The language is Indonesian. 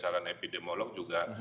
dan epidemiolog juga